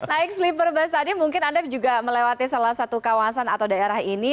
naik sleeper bus tadi mungkin anda juga melewati salah satu kawasan atau daerah ini